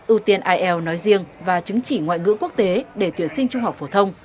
ưu tiên ielts nói riêng và chứng chỉ ngoại ngữ quốc tế để tuyển sinh trung học phổ thông